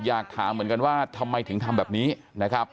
อยากถามเหมือนกันว่าทำไมถึงทำแบบนี้นะครับ